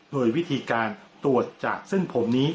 โดยวิธีการตรวจจากเส้นผมนี้